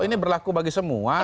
ini berlaku bagi semua